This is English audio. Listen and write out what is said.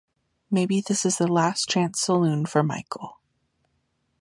Maybe this is the last chance saloon for Michael.